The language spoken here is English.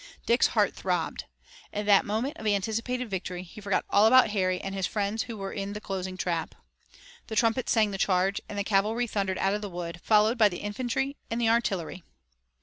Dick's heart throbbed. In that moment of anticipated victory he forgot all about Harry and his friends who were in the closing trap. Then trumpets sang the charge, and the cavalry thundered out of the wood, followed by the infantry and the artillery.